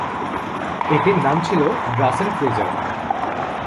এটির নাম ছিল ড্রাছেনফ্লিজার।